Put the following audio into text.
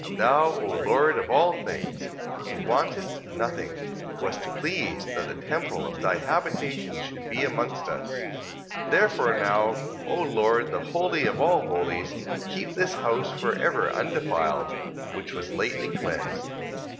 Thou, O Lord of all things, who wantest nothing, wast pleased that the temple of thy habitation should be amongst us. 14:36. Therefore now, O Lord, the holy of all holies, keep this house for ever undefiled, which was lately cleansed. 14:37.